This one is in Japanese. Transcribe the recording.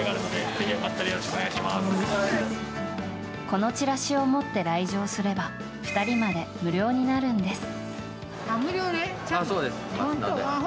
このチラシを持って来場すれば２人まで無料になるんです。